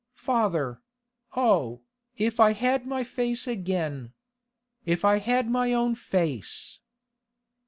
'Father—Oh, if I had my face again! If I had my own face!